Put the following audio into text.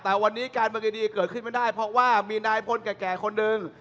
แต่วันนี้การเมืองดีเกิดขึ้นไม่ได้เพราะว่ามีนายพลแก่คนหนึ่ง